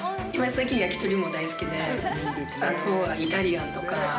最近、焼き鳥も大好きで、あとはイタリアンとか。